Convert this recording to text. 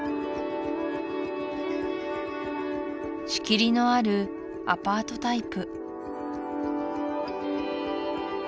仕切りのあるアパートタイプ